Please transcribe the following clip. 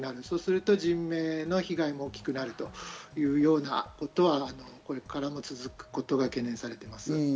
そうすると人命の被害が大きくなるというようなことはこれからも続くことが懸念されます。